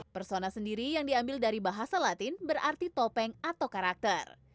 persona sendiri yang diambil dari bahasa latin berarti topeng atau karakter